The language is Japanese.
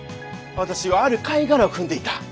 私はある貝殻を踏んでいた。